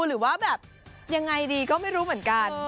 หรือว่าแบบยังไงดีก็ไม่รู้เหมือนกัน